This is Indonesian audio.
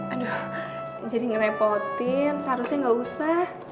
aduh jadi ngerepotin seharusnya nggak usah